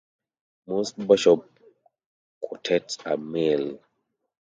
Most barbershop quartets are male.